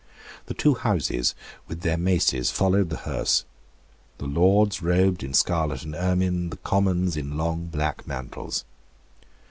The two Houses with their maces followed the hearse, the Lords robed in scarlet and ermine, the Commons in long black mantles.